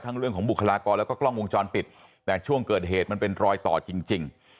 เรื่องของบุคลากรแล้วก็กล้องวงจรปิดแต่ช่วงเกิดเหตุมันเป็นรอยต่อจริง